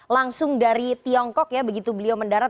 langsung dari tiongkok ya begitu beliau mendarat